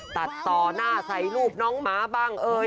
ตัดต่อหน้าตัดใสลูบน้องม้าบังเอย